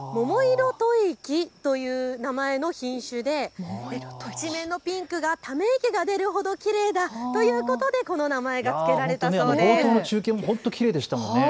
桃色吐息という名前の品種で一面のピンクがため息が出るほどきれいだということでこの名前が付けられたそうです。